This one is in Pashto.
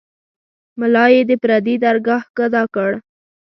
ملا یې د پردي درګاه ګدا کړ.